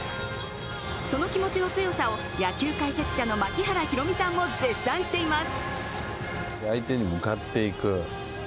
その気持ちの強さを野球解説者の槙原寛己さんも絶賛しています。